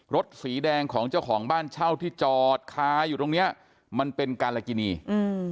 สีแดงของเจ้าของบ้านเช่าที่จอดค้าอยู่ตรงเนี้ยมันเป็นการละกินีอืม